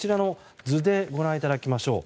図でご覧いただきましょう。